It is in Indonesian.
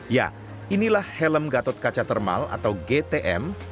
ya inilah helm gatot kaca thermal atau gtm